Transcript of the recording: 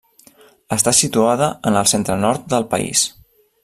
Està situada en el centre-nord del país.